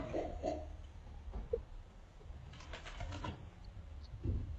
Hijo legítimo del capitán Manuel de Olmedo y Catalina de Sosa.